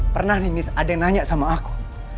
pernah nih ada yang nanya sama aku